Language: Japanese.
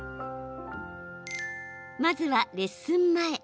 まずは、レッスン前。